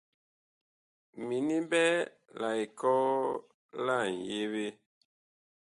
Mini ɓɛ la ekɔɔ la ŋyeɓe.